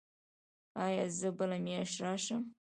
ایا زه بله میاشت راشم؟